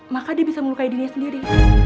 maka dia bisa melukai dirinya sendiri